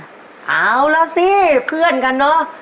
เอาล่ะสิเพื่อนกันเนอะ